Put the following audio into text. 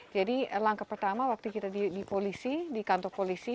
jadi langkah pertama waktu kita di polisi di kantor polisi